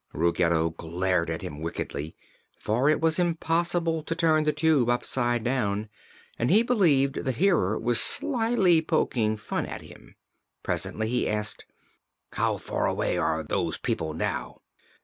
Ruggedo glared at him wickedly, for it was impossible to turn the Tube upside down and he believed the Hearer was slyly poking fun at him. Presently he asked: "How far away are those people now?"